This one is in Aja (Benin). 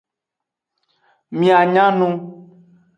Mia nya nu.